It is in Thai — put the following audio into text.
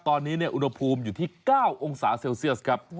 ตอนนี้อุณหภูมิอยู่ที่๙องศาเซลเซียสครับ